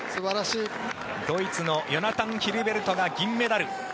ドイツのヨナタン・ヒルベルトが銀メダル。